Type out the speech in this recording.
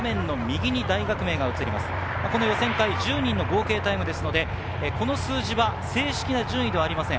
予選会１０人の合計タイムですので、この数字は正式な順位ではありません。